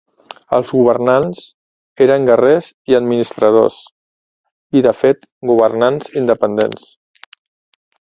Els governants eren guerrers i administradors i de fet governants independents.